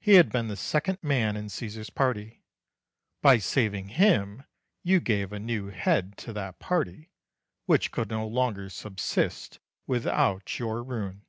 He had been the second man in Caesar's party; by saving him you gave a new head to that party, which could no longer subsist without your ruin.